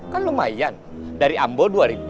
kan lumayan dari ambo dua ribu